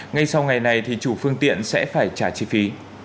ngay sau ngày này thì chủ phương tiện sẽ phải trả chi phí